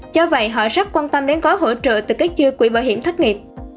cho vậy họ rất quan tâm đến có hỗ trợ từ các chư quỹ bảo hiểm thất nghiệp